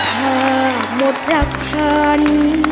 หากหมดรักฉัน